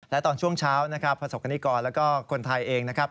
และตอนช่วงเช้าพระศักดิ์กรและคนไทยเอง